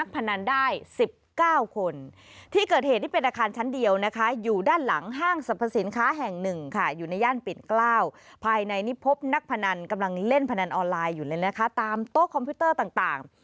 พนันนี้พบนักพนันกำลังเล่นพนันออนไลน์อยู่เลยนะคะตามโต๊ะคอมพิวเตอร์ต่าง